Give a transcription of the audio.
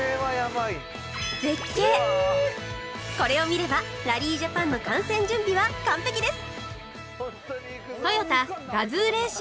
これを見ればラリージャパンの観戦準備は完璧です！